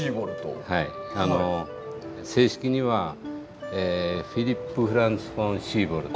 正式にはフィリップ・フランツ・フォン・シーボルト。